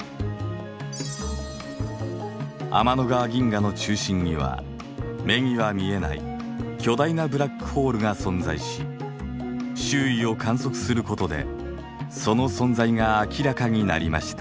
天の川銀河の中心には目には見えない巨大なブラックホールが存在し周囲を観測することでその存在が明らかになりました。